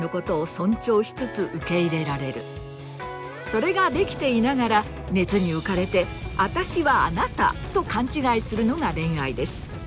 それができていながら熱に浮かれて“あたしはあなた”と勘違いするのが恋愛です。